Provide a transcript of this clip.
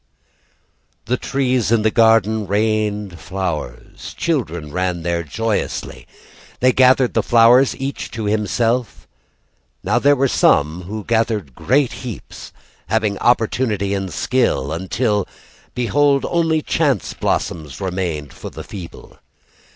The trees in the garden rained flowers. Children ran there joyously. They gathered the flowers Each to himself. Now there were some Who gathered great heaps Having opportunity and skill Until, behold, only chance blossoms Remained for the feeble.